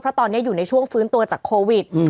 เพราะตอนนี้อยู่ในช่วงฟื้นตัวจากโควิด